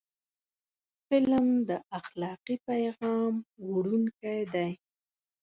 فلم د اخلاقي پیغام وړونکی دی